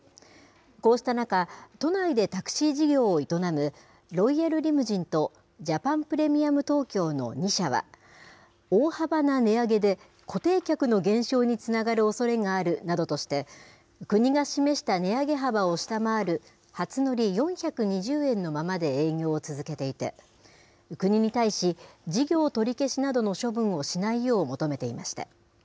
こうした中、都内でタクシー事業を営むロイヤルリムジンとジャパンプレミアム東京の２社は、大幅な値上げで固定客の減少につながるおそれがあるなどとして、国が示した値上げ幅を下回る、初乗り４２０円のままで営業を続けていて、国に対し、事業取り消しなどの処分をしないよう求めていました。